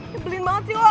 cimpelin banget sih lo